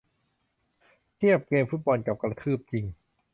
เทียบ เกมฟุตบอล กับ กระทืบจริง